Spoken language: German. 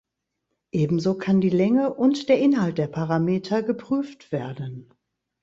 Ebenso kann die Länge und der Inhalt der Parameter geprüft werden.